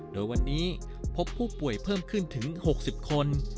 โดยวันนี้พบผู้ป่วยเพิ่มขึ้นถึง๖๐คน